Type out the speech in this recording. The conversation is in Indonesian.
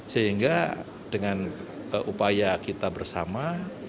sehingga dengan upaya kita bersama